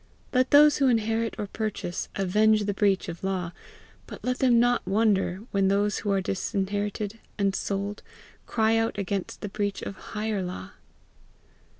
Let those who inherit or purchase, avenge the breach of law; but let them not wonder when those who are disinherited and sold, cry out against the breach of higher law!